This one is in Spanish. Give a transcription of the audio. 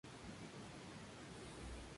Es una cofia puramente española.